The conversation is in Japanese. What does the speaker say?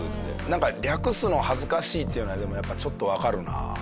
なんか略すの恥ずかしいっていうのはでもやっぱちょっとわかるな。